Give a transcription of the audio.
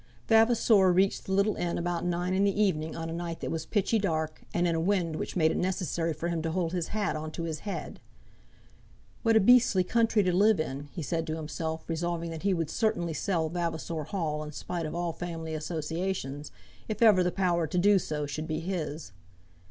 Vavasor reached the little inn about nine in the evening on a night that was pitchy dark, and in a wind which made it necessary for him to hold his hat on to his head. "What a beastly country to live in," he said to himself, resolving that he would certainly sell Vavasor Hall in spite of all family associations, if ever the power to do so should be his.